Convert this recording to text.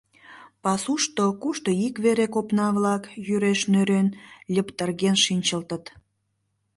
Пасушто кушто ик вере копна-влак, йӱреш нӧрен, льыптырген шинчылтыт.